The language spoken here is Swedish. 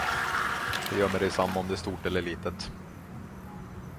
Det gör mig detsamma om det är stort eller litet.